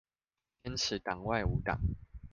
堅持黨外無黨